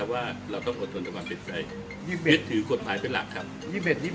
ว่าเราต้องอดทนกับความเป็นใครถือกฎหมายเป็นหลักครับ